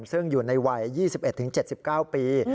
ซึ่งอยู่ในวัย๒๑๗๙ปี